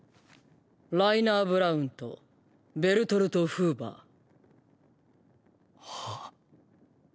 ライナー・ブラウンとベルトルト・フーバー。は？